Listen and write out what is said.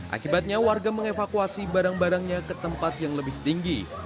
akibatnya warga mengevakuasi barang barangnya ke tempat yang lebih tinggi